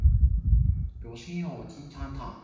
拍子同音準都好重要